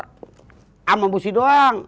sama busi doang